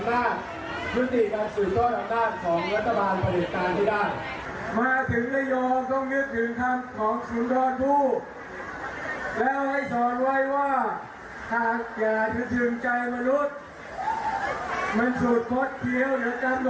คุณธิบตั้งหลักก่อน